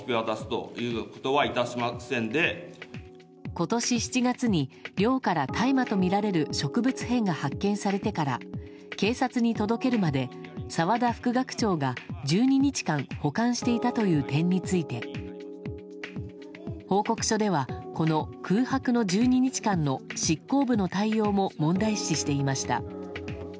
今年７月に、寮から大麻とみられる植物片が発見されてから警察に届けるまで澤田副学長が１２日間保管していたという点について報告書ではこの空白の１２日間の執行部の対応も問題視していました。